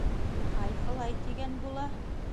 — Ҡайһылай тигән була.